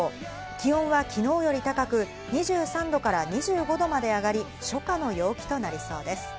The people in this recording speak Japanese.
気温はきのうより高く、２３度から２５度まで上がり初夏の陽気となりそうです。